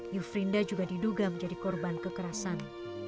yufrinda juga diduga menjadi korban kekerasan